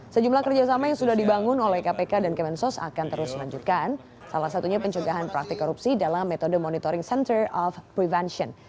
sejumlah kerjasama yang sudah dibangun oleh kpk dan kemensos akan terus melanjutkan salah satunya pencegahan praktik korupsi dalam metode monitoring center of prevention